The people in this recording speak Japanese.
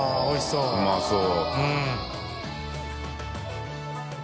うまそう。